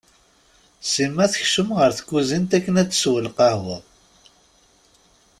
Sima tekcem ɣer tkuzint akken ad tessew lqahwa.